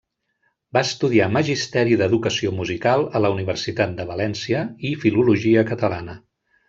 Va estudiar Magisteri d’Educació Musical a la Universitat de València i Filologia Catalana.